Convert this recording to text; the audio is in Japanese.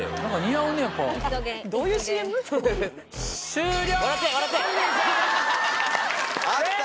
終了。